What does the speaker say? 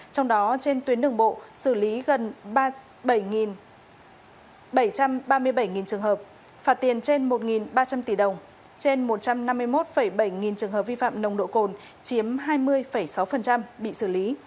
trong đó trên tuyến đường bộ xử lý gần bảy trăm ba mươi bảy trường hợp phạt tiền trên một ba trăm linh tỷ đồng trên một trăm năm mươi một bảy nghìn trường hợp vi phạm nồng độ cồn chiếm hai mươi sáu bị xử lý